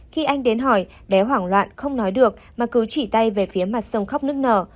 khi anh đến hỏi bé hoảng loạn không nói được mà cứ chỉ tay về phía mặt sông khóc nước nở